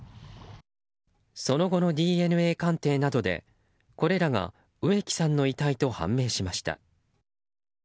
その後のＤＮＡ鑑定などでこれらが植木さんの遺体と判明しました。